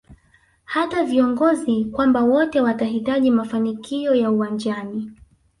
hata viongozi kwamba wote watahitaji mafanikio ya uwanjani